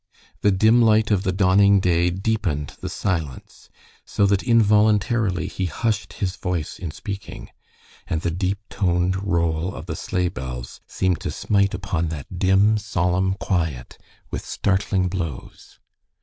The dim light of the dawning day deepened the silence, so that involuntarily he hushed his voice in speaking, and the deep toned roll of the sleigh bells seemed to smite upon that dim, solemn quiet with startling blows.